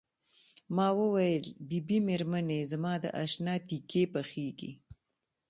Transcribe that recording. ما وویل بي بي مېرمنې زما د اشنا تیکې پخیږي.